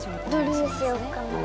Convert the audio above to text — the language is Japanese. どれにしようかな。